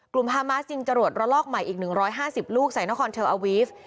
ฮามาสจึงจรวดระลอกใหม่อีก๑๕๐ลูกใส่นครเทลอาวีฟ